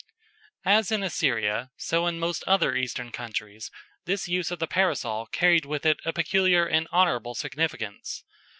As in Assyria, so in most other Eastern countries, this use of the Parasol carried with it a peculiar and honourable significance.